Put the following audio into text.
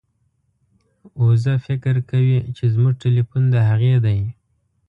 وزه فکر کوي چې زموږ ټیلیفون د هغې دی.